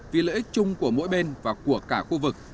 vì lợi ích chung của mỗi bên và của cả khu vực